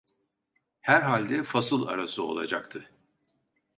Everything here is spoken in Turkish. Herhalde fasıl arası olacaktı.